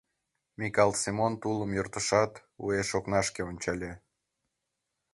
Микал Семон тулым йӧртышат, уэш окнашке ончале.